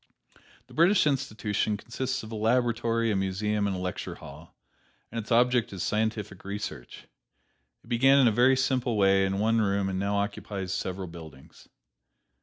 The British Institution consists of a laboratory, a museum and a lecture hall, and its object is scientific research. It began in a very simple way in one room and now occupies several buildings.